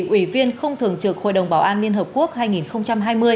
ủy viên không thường trực hội đồng bảo an liên hợp quốc hai nghìn hai mươi hai nghìn hai mươi một